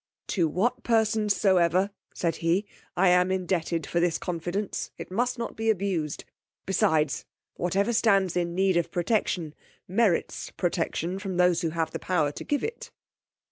To what person soever, said he, I am indebted for this confidence, it must not be abused. Besides, whatever stands in need of protection, merits protection from those who have the power to give it.